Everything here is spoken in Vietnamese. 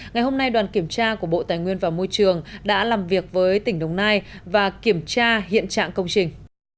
ngày hôm nay đoàn kiểm tra của bộ tài nguyên và môi trường đã làm việc với tỉnh đồng nai và kiểm tra hiện trạng công trình